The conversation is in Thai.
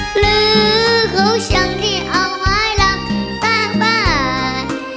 หรือเขาช่างที่เอาไม้ละสร้างบ้าน